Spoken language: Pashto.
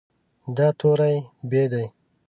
دا توری "ب" دی.